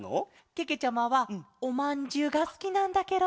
けけちゃまはおまんじゅうがすきなんだケロ。